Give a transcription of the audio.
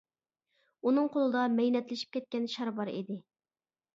ئۇنىڭ قولىدا مەينەتلىشىپ كەتكەن شار بار ئىدى.